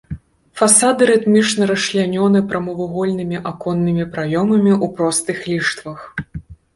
Фасады рытмічна расчлянёны прамавугольнымі аконнымі праёмамі ў простых ліштвах.